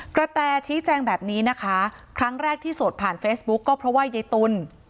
แตชี้แจงแบบนี้นะคะครั้งแรกที่โสดผ่านเฟซบุ๊กก็เพราะว่ายายตุล